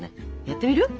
やってみる？